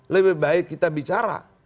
lebih baik kita bicara